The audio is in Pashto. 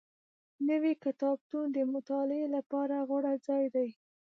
نوی کتابتون د مطالعې لپاره غوره ځای دی